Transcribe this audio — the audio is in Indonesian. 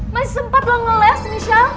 masih sempat lo ngeles misha